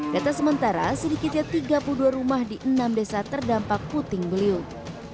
data sementara sedikitnya tiga puluh dua rumah di enam desa terdampak puting beliung